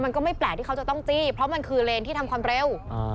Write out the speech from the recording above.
ก็ไม่แปลกที่เขาจะต้องจี้เพราะมันคือเลนที่ทำความเร็ว